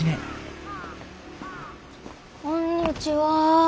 こんにちは。